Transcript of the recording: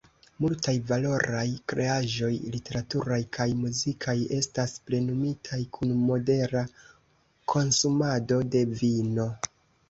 Multaj valoraj kreaĵoj literaturaj kaj muzikaj estas plenumitaj kun modera konsumado de vino.